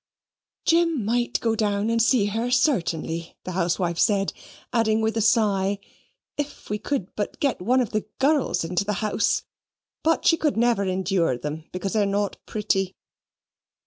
"Jim might go down and see her, certainly," the housewife said; adding with a sigh, "If we could but get one of the girls into the house; but she could never endure them, because they are not pretty!"